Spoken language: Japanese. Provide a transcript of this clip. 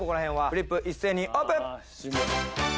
フリップ一斉にオープン！